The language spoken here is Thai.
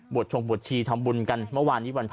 ชงบวชชีทำบุญกันเมื่อวานนี้วันพระ